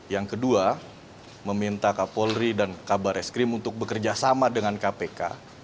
yang kedua meminta kapolri dan kabar eskrim untuk bekerja sama dengan kpk